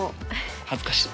恥ずかしい。